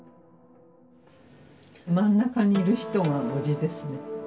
真ん中にいる人が叔父ですね。